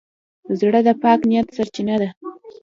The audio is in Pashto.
زړه د پاک نیت سرچینه ده.